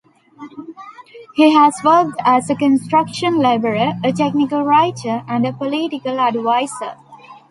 He has worked as a construction labourer, a technical writer and a political advisor.